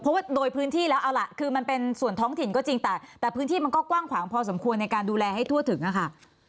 เพราะว่าโดยพื้นที่แล้วเอาล่ะคือมันเป็นส่วนท้องถิ่นก็จริงแต่แต่พื้นที่มันก็กว้างขวางพอสมควรในการดูแลให้ทั่วถึงค่ะ